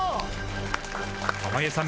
濱家さん